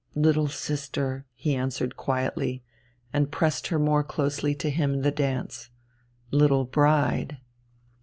"Little sister," he answered quietly, and pressed her more closely to him in the dance. "Little bride."